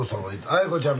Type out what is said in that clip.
愛子ちゃん